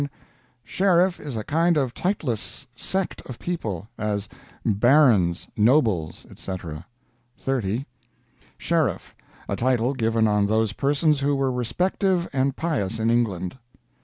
Sheriff is a kind of titlous sect of people, as Barons, Nobles, etc. "30. Sheriff; a tittle given on those persons who were respective and pious in England."